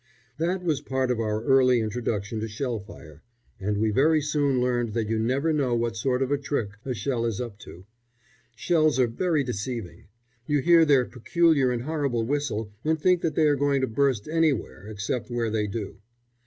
That was part of our early introduction to shell fire, and we very soon learned that you never know what sort of a trick a shell is up to. Shells are very deceiving. You hear their peculiar and horrible whistle and think that they are going to burst anywhere except where they do.